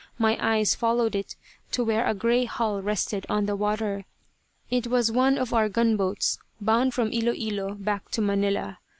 My eyes followed it to where a gray hull rested on the water. It was one of our gunboats bound from Ilo Ilo back to Manila.